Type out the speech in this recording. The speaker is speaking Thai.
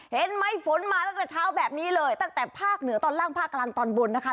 เห็นไหมฝนมาตั้งแต่เช้าแบบนี้เลยตั้งแต่ภาคเหนือตอนล่างภาคกลางตอนบนนะคะ